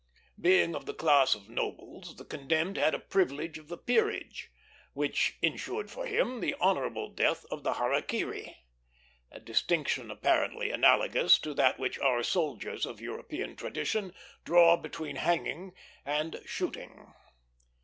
Being of the class of nobles, the condemned had a privilege of the peerage, which insured for him the honorable death of the harakiri; a distinction apparently analogous to that which our soldiers of European tradition draw between hanging and shooting.